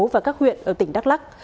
và các huyện ở tỉnh đắk lắc